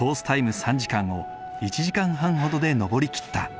タイム３時間を１時間半ほどで登り切った。